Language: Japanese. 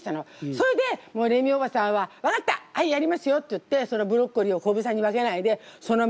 それでレミおばさんは「分かったはいやりますよ」って言ってブロッコリーを小房に分けないでそのままさ立たせたの。